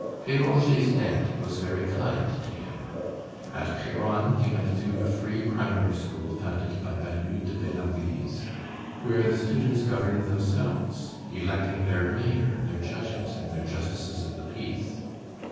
Béranger's aunt was very kind to him. At Péronne he went to a free primary school founded by Ballue de Bellenglise, where the students governed themselves, electing their mayor, their judges, and their justices of the peace.